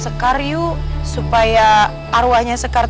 aku akan menganggap